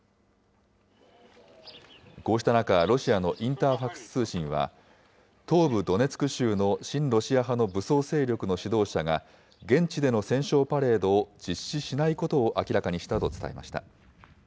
こうした中、ロシアのインターファクス通信は、東部ドネツク州の親ロシア派の武装勢力の指導者が、現地での戦勝パレードを実施しないことを明らかにしたと伝えました。